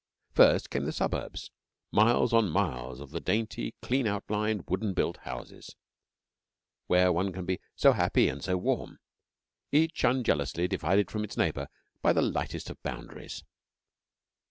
First came the suburbs miles on miles of the dainty, clean outlined, wooden built houses, where one can be so happy and so warm, each unjealously divided from its neighbour by the lightest of boundaries.